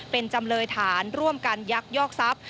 เป็นจำเลยฐานร่วมกันยักยอกทรัพย์